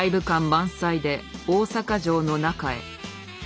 満載で大阪城の中へ。